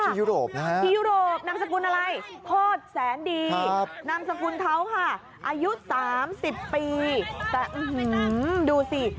ที่ยุโรปนามสกุลอะไรโคตรแสนดีครับนามสกุลเขาค่ะอายุสามสิบปีแต่อื้อหือดูสิ